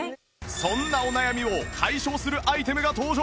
そんなお悩みを解消するアイテムが登場！